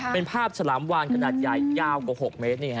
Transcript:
เป็นภาพฉลามวานขนาดใหญ่ยาวกว่า๖เมตร